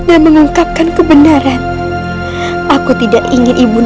ibu nang akan selamatkan ibu